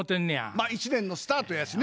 まあ一年のスタートやしね。